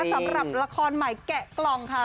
สำหรับละครใหม่แกะกล่องค่ะ